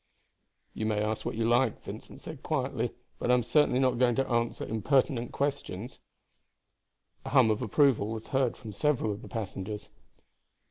"You may ask what you like," Vincent said quietly; "but I am certainly not going to answer impertinent questions." A hum of approval was heard from several of the passengers.